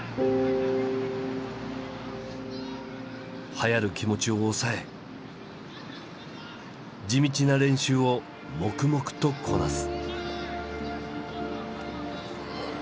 はやる気持ちをおさえ地道な練習を黙々とこなす。